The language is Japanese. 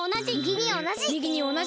みぎにおなじ！